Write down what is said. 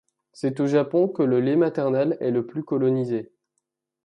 C'est au Japon que le lait maternel est le plus colonisé.